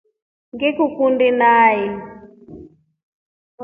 Ngikukundi nai.